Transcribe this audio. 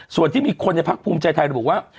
ส่วนที่มีคนในภาคภูมิใจไทยบอกว่า